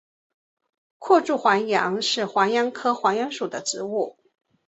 阔柱黄杨是黄杨科黄杨属的植物。